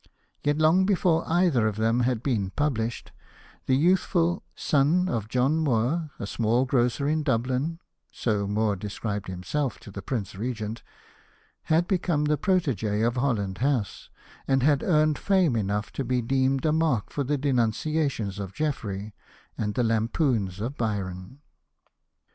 Yet long before either of them had been published, the youthful " son of John Moore, a small grocer in Dublin," — so Moore described him self to the Prince Regent, — had become the protege of Holland House, and had earned fame enough to be deemed a mark for the denunciations of Jeffrey and the lampoons of Byron.